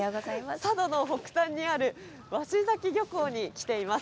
佐渡の北端にある鷲崎漁港に来ています。